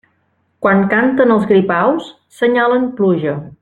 Quan canten els gripaus, senyalen pluja.